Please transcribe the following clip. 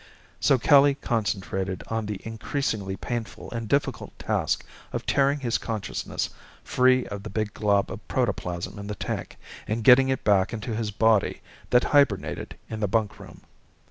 So Kelly concentrated on the increasingly painful and difficult task of tearing his consciousness free of the big glob of protoplasm in the tank, and getting it back into his body that hibernated in the bunkroom.